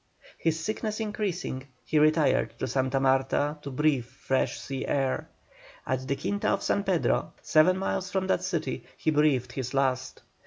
His sickness increasing, he retired to Santa Marta to breathe the fresh sea air. At the Quinta of San Pedro, seven miles from that city, he breathed his last.